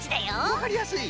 わかりやすい。